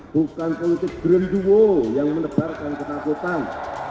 bukan politik grand duo yang menebarkan ketakutan